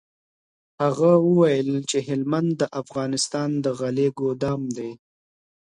هغه وویل چي هلمند د افغانستان د غلې ګودام دی.